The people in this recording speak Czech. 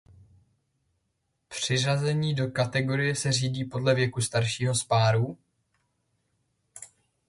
Přiřazení do kategorie se řídí podle věku staršího z páru.